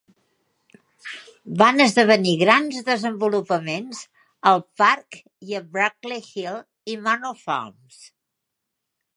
Van esdevenir grans desenvolupaments al Park i a Brackley, Hill i Manor Farms.